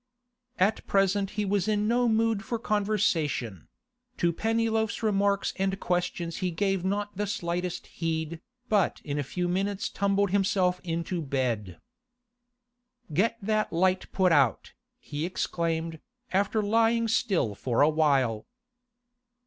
At present he was in no mood for conversation; to Pennyloaf's remarks and questions he gave not the slightest heed, but in a few minutes tumbled himself into bed. 'Get that light put out,' he exclaimed, after lying still for a while.